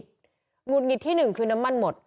หงุดหงิดที่๑คือน้ำมันหมด